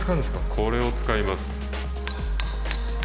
これを使います。